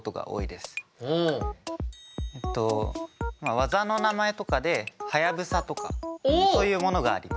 技の名前とかで「はやぶさ」とかそういうものがあります。